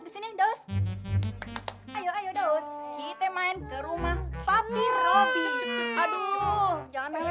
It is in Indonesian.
sini dos ayo ayo dos kita main ke rumah fafi robi aduh jangan